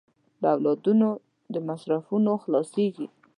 د اولادونو د مصرفونو خلاصېږي.